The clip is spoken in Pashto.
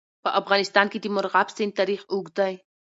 په افغانستان کې د مورغاب سیند تاریخ اوږد دی.